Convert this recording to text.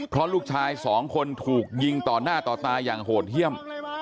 เพราะลูกชายสองคนถูกยิงต่อหน้าต่อตาอย่างโหดเยี่ยม